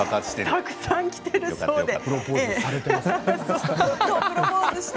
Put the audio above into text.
たくさん来ているそうで。